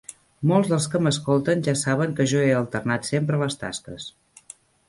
Molts dels que m'escolten ja saben que jo he alternat sempre les tasques.